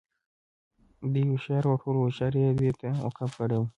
دى هوښيار وو او ټوله هوښياري یې دې ته وقف کړې وه.